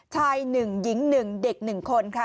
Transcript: ชาย๑หญิง๑เด็ก๑คนค่ะ